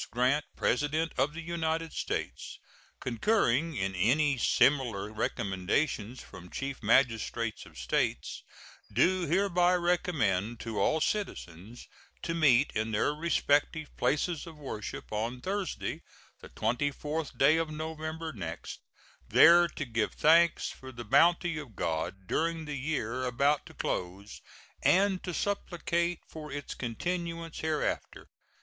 Grant, President of the United States, concurring in any similar recommendations from chief magistrates of States, do hereby recommend to all citizens to meet in their respective places of worship on Thursday, the 24th day of November next, there to give thanks for the bounty of God during the year about to close and to supplicate for its continuance hereafter.